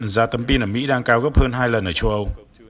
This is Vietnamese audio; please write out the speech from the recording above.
giá tấm pin ở mỹ đang cao gấp hơn hai lần ở châu âu